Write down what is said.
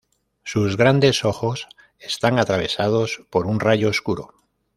Sus grandes ojos están atravesados por un rayo oscuro.